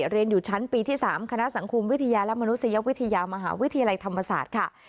เรียนอยู่ชั้นปีที่๓คณะสังคมวิทยาและมนุษยวิทยามหาวิทยาลัยธรรมศาสตร์ค่ะ